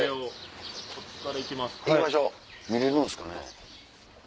見れるんですかね。